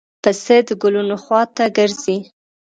پسه د ګلونو خوا ته ګرځي.